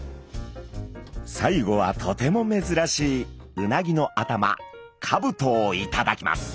最後はとてもめずらしいうなぎの頭かぶとを頂きます。